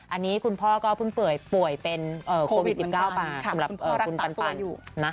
อันนี้คุณพ่อก็เพิ่งเปื่อยป่วยเป็นโควิด๑๙คุณพ่อรักตาตัวอยู่